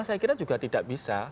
saya kira juga tidak bisa